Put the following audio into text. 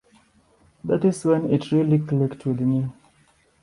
This is when it really clicked with me.